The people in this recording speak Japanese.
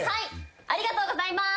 ありがとうございます。